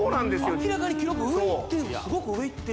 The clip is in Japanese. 明らかに記録上いってるすごく上いってる